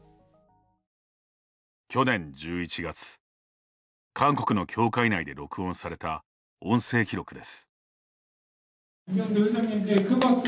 去年１１月、韓国の教会内で録音された音声記録です。